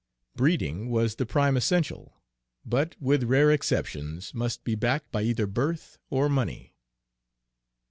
Breeding was the prime essential, but, with rare exceptions, must be backed by either birth or money.